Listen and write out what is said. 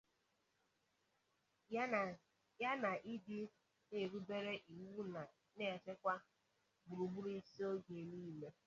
ya na ịdị na-erubere iwu na-echekwa gburugburu isi oge niile